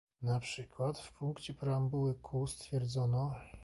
Na przykład, w punkcie preambuły Q stwierdzono